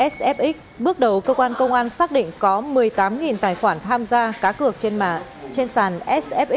sfx bước đầu cơ quan công an xác định có một mươi tám tài khoản tham gia cá cược trên mạng trên sàn sfx